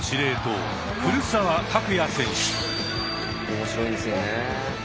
面白いんですよね。